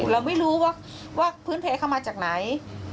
เราไม่รู้ว่าพื้นเพลเข้ามาจากไหน